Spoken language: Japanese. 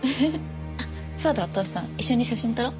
あっそうだお父さん一緒に写真撮ろう。